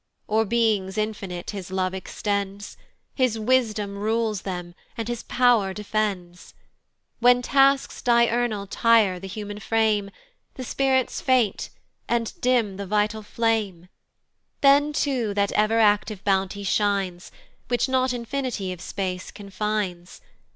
O'er beings infinite his love extends, His Wisdom rules them, and his Pow'r defends. When tasks diurnal tire the human frame, The spirits faint, and dim the vital flame, Then too that ever active bounty shines, Which not infinity of space confines.